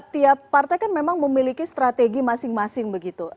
tiap partai kan memang memiliki strategi masing masing begitu